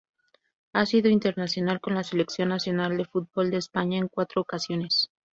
Ha sido internacional con la selección nacional de fútbol de España en cuatro ocasiones.